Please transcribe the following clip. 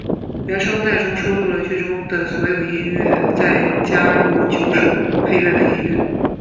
原声带中收录了剧中的所有歌曲再加入九首配乐的音乐。